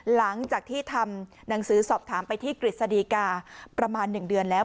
หลังจากที่ทำหนังสือสอบถามไปที่กฤษฎีกาประมาณ๑เดือนแล้ว